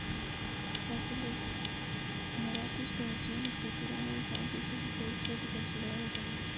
Aunque los nabateos conocían la escritura, no dejaron textos históricos de considerado tamaño.